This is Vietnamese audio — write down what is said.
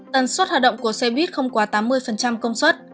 tần suất hoạt động của xe buýt không quá tám mươi công suất